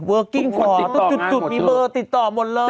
กิ้งขอจุดมีเบอร์ติดต่อหมดเลย